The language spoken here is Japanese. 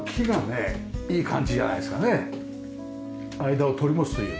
間を取り持つというか。